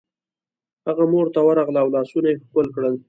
هغه مور ته ورغله او لاسونه یې ښکل کړل